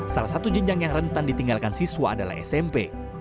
salah satu jenjang yang rentan ditinggalkan siswa adalah smp